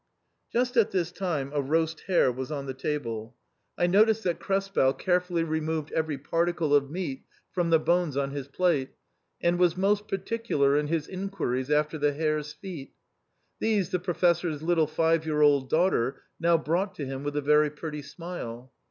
Just at this time a roast hare was on the table ; I 6 THE CREMONA VIOLIN. noticed that Krespel carefully removed every particle of meat from the bones on his plate, and was most particular in his inquiries after the hare's feet ; these the Professor's little five year old daughter now brought to him with a very pretty smile.